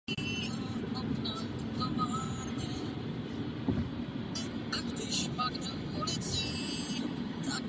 Vypisuje a organizuje také workshopy literárního překladu pro mladé překladatele a další zájemce.